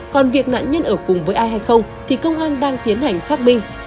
còn việc nạn nhân ở cùng với ai hay không thì công an đang tiến hành sát binh